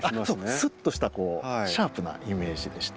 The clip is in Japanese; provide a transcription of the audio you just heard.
スッとしたシャープなイメージでして。